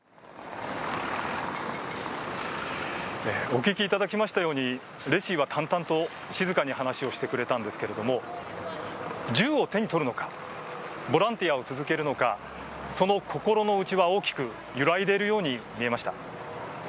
お聞きいただいたようにレシィは淡々と静かに話をしてくれたんですけれども銃を手にとるのかボランティアを続けるのかその心の内は大きく揺れているように見えました。